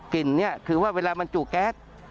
นี่คือว่าเวลามันจุแก๊ส